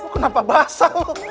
kenapa basah lo